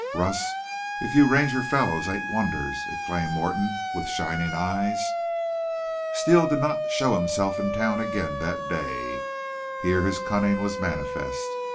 "Russ, if you Ranger fellows ain't wonders!" exclaimed Morton, with shining eyes. Steele did not show himself in town again that day. Here his cunning was manifest.